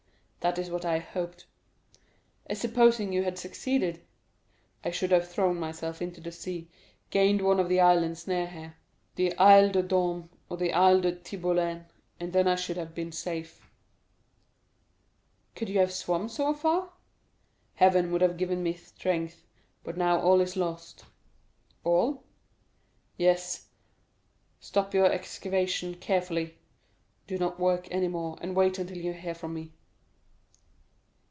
"That is what I hoped." "And supposing you had succeeded?" "I should have thrown myself into the sea, gained one of the islands near here—the Isle de Daume or the Isle de Tiboulen—and then I should have been safe." "Could you have swum so far?" "Heaven would have given me strength; but now all is lost." "All?" "Yes; stop up your excavation carefully, do not work any more, and wait until you hear from me."